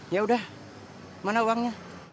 ya udah mana uangnya